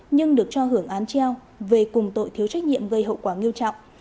nhưng được cho hưởng án treo về cùng tội thiếu trách nhiệm gây hậu quả nghiêm trọng